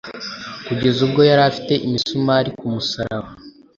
Kugeza ubwo yari afite imisumari ku musaraba.